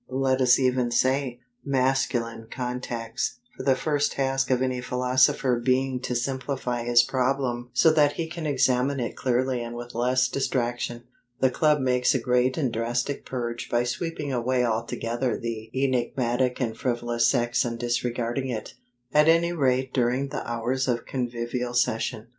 Let us even say, masculine contacts: for the first task of any philosopher being to simplify his problem so that he can examine it clearly and with less distraction, the Club makes a great and drastic purge by sweeping away altogether the enigmatic and frivolous sex and disregarding it, at any rate during the hours of convivial session.